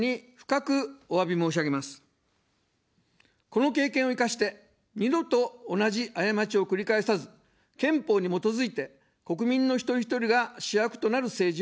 この経験を生かして、二度と同じ過ちを繰り返さず、憲法に基づいて国民の一人ひとりが主役となる政治を実現します。